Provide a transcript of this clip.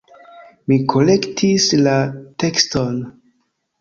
Mi korektis la tekston.